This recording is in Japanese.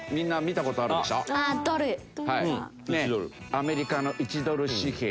アメリカの１ドル紙幣。